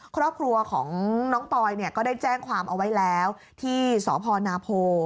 ครอบครัวของน้องปอยเนี่ยก็ได้แจ้งความเอาไว้แล้วที่สพนาโพ